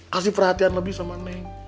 kasih perhatian lebih sama neng